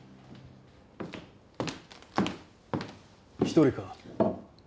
一人か？